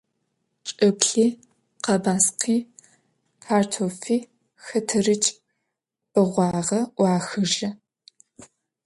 Çç'ıplhi, khebaskhi, kartofi – xeterıç' beğuağe 'uaxıjı.